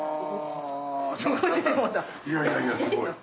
いやいやいやすごい。